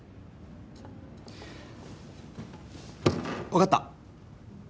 分かった。